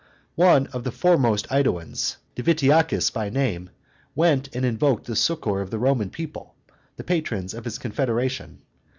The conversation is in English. One of the foremost AEduans, Divitiacus by name, went and invoked the succor of the Roman people, the patrons of his confederation.